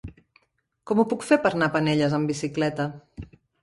Com ho puc fer per anar a Penelles amb bicicleta?